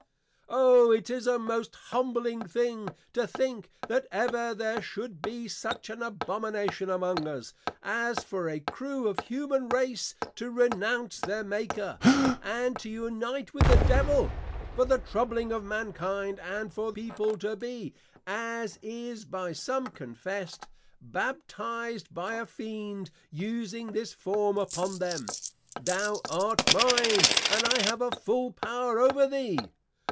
_ O 'tis a most humbling thing, to think, that ever there should be such an abomination among us, as for a crue of humane race, to renounce their Maker, and to unite with the Devil, for the troubling of mankind, and for People to be, (as is by some confess'd) Baptized by a Fiend using this form upon them, _Thou art mine, and I have a full power over thee!